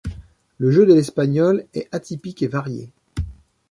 Le jeu de l’Espagnole est atypique et varié.